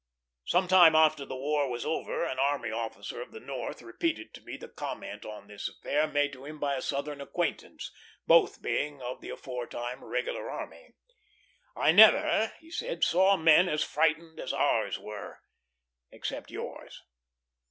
Some time after the war was over an army officer of the North repeated to me the comment on this affair made to him by a Southern acquaintance, both being of the aforetime regular army. "I never," he said, "saw men as frightened as ours were except yours."